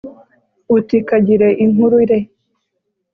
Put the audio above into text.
uti kagire inkuru re!